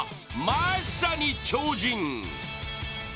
まさに、超人！